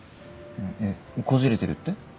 えっこじれてるって？